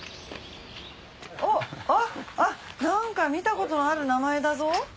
あっ何か見たことある名前だぞ。